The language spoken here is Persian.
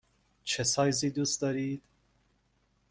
چه سایزی دوست دارید؟